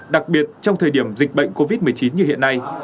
đặc biệt trong thời điểm dịch bệnh covid một mươi chín như hiện nay